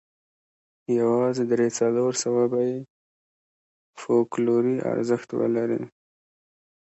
یوازې درې څلور سوه به یې فوکلوري ارزښت ولري.